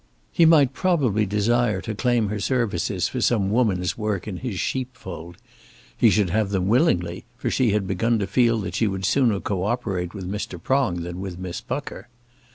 He might probably desire to claim her services for some woman's work in his sheepfold. He should have them willingly, for she had begun to feel that she would sooner co operate with Mr. Prong than with Miss Pucker.